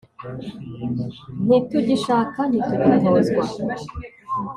ntitugishaka ntitugitozwa